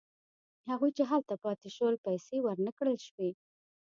هغوی چې هلته پاتې شول پیسې ورنه کړل شوې.